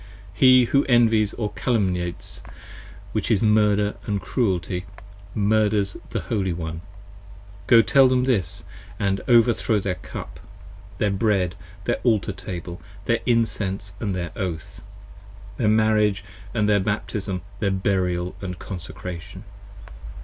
He who envies or calumniates, which is murder & cruelty, Murders the Holy one; Go tell them this & overthrow their cup, Their bread, their altar table, their incense & their oath ; Their marriage & their baptism, their burial & consecration.